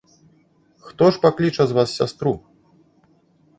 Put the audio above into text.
Хто ж пакліча з вас сястру?